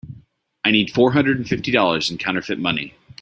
I need four hundred and fifty dollars in counterfeit money.